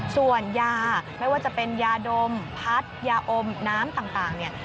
ส่วนยาไม่ว่าจะเป็นยาดมพัดยาอมน้ำต่างเนี่ย